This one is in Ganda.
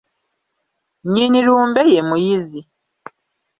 Nnyini lumbe ye muyizi.